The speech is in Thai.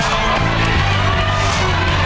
โอ้โอ้